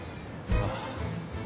ああ。